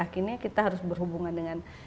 akhirnya kita harus berhubungan dengan